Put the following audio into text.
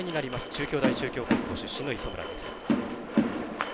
中京大中京高校出身の磯村。